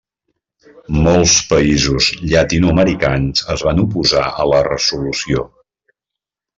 Molts països llatinoamericans es van oposar a la resolució.